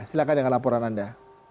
silahkan dengan laporan anda